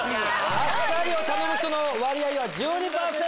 あっさりを頼む人の割合は１２％。